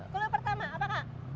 kulit pertama apakah